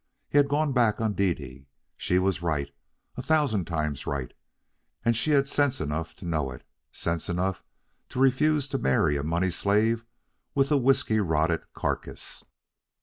He had gone back on Dede. She was right, a thousand times right, and she had sense enough to know it, sense enough to refuse to marry a money slave with a whiskey rotted carcass.